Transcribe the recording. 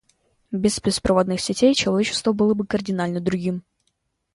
Без беспроводных сетей человечество было бы кардинально другим.